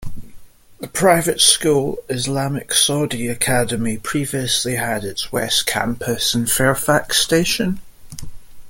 The private school Islamic Saudi Academy previously had its West Campus in Fairfax Station.